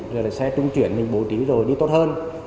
rồi là xe trung chuyển được bổ trí rồi đi tốt hơn